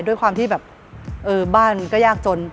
ด้วยความที่แบบบ้านก็ยากจน